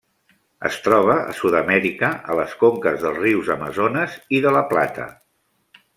Es troba a Sud-amèrica, a les conques dels rius Amazones i De La Plata.